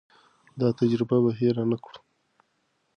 دا تجربه به هېر نه کړم.